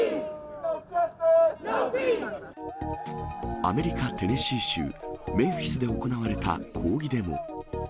アメリカ・テネシー州メンフィスで行われた抗議デモ。